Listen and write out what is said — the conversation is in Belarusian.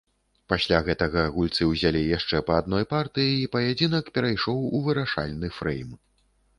Пасля гэтага гульцы ўзялі яшчэ па адной партыі і паядынак перайшоў у вырашальны фрэйм.